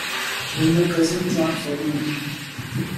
Will my cousin John forgive me?